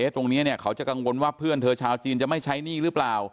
ตรงนี้เขาจะกังวลว่าเพื่อนเธอชาวจีนจะไม่ใช้หนี้หรือเปล่า